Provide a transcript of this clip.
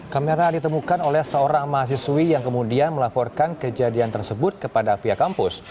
kamera ditemukan oleh seorang mahasiswi yang kemudian melaporkan kejadian tersebut kepada pihak kampus